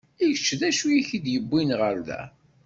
I kečč d acu i k-id-yewwin ɣer da?